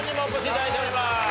お願いします。